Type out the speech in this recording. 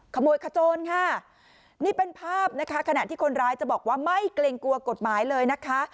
ขโมยขโจรค่ะนี่เป็นภาพนะคะขณะที่คนร้ายจะบอกว่าไม่เกรงกลัวกฎหมายเลยนะคะ